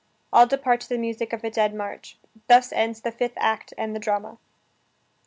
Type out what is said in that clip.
All depart to the music of a dead march. Thus ends the fifth act and the drama.